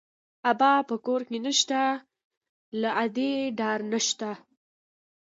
ابا په کور نه شته، له ادې ډار نه شته